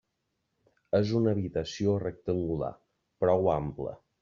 És una habitació rectangular, prou ampla.